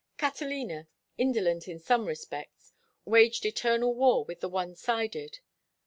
Catalina, indolent in some respects, waged eternal war with the one sided.